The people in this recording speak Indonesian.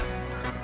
foto belik lah